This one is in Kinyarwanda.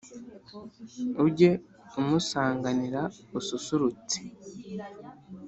ujye umusanganira ususurutse